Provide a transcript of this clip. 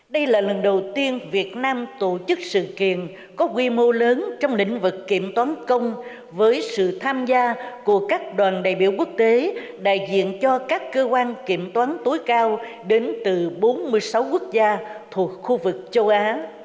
đây là lần đầu tiên việt nam tổ chức sự kiện có quy mô lớn trong lĩnh vực kiểm toán công với sự tham gia của các đoàn đại biểu quốc tế đại diện cho các cơ quan kiểm toán tối cao đến từ bốn mươi sáu quốc gia thuộc khu vực châu á